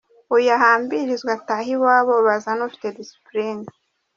Uyu ahambirizwe atahe iwabo bazane ufite discipline.